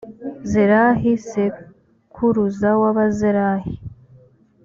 zerahi sekuruza w’abazerahi.